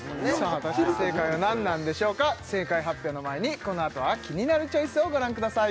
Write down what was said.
果たして正解は何なんでしょうか正解発表の前にこのあとは「キニナルチョイス」をご覧ください